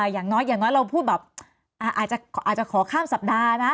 อย่างน้อยเราพูดแบบอาจจะขอข้ามสัปดาห์นะ